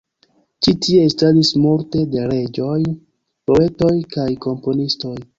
Ĉi tie estadis multe da reĝoj, poetoj kaj komponistoj.